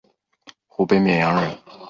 湖北沔阳人。